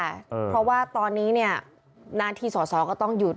เพราะว่าตอนนี้เนี่ยหน้าที่สอสอก็ต้องหยุด